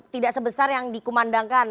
tidak sebesar yang dikumandangkan